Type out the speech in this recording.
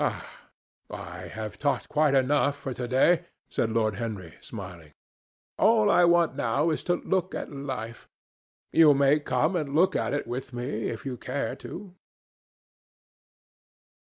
"Ah! I have talked quite enough for to day," said Lord Henry, smiling. "All I want now is to look at life. You may come and look at it with me, if you care to."